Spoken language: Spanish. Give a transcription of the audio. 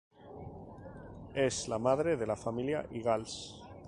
Es la madre de la familia Ingalls.